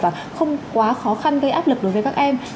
và không quá khó khăn gây áp lực đối với các em